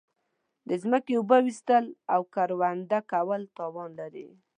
د زمکی اوبه ویستل او کرونده کول تاوان لری